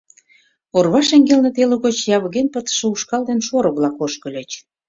Орва шеҥгелне теле гоч явыген пытыше ушкал ден шорык-влак ошкыльыч.